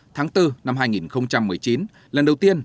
tháng bốn năm hai nghìn một mươi chín lần đầu tiên